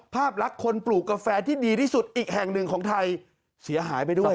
ภาพลักษณ์คนปลูกกาแฟที่ดีที่สุดอีกแห่งหนึ่งของไทยเสียหายไปด้วย